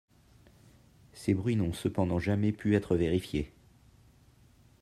Ces bruits n'ont cependant jamais pu être vérifiés.